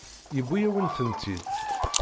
Yewwi-yawen-tent-id.